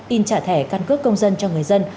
in trả thẻ căn cước công dân cho người dân